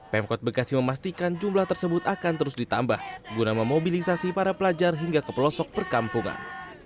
pemkot bekasi memastikan jumlah tersebut akan terus ditambah guna memobilisasi para pelajar hingga ke pelosok perkampungan